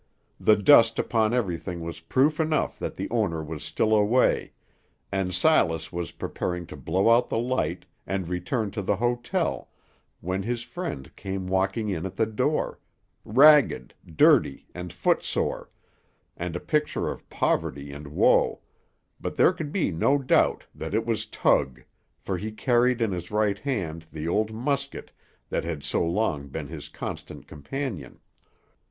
The dust upon everything was proof enough that the owner was still away, and Silas was preparing to blow out the light, and return to the hotel, when his friend came walking in at the door; ragged, dirty, and footsore, and a picture of poverty and woe, but there could be no doubt that it was Tug, for he carried in his right hand the old musket that had so long been his constant companion.